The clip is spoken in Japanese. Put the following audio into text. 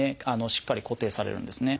しっかり固定されるんですね。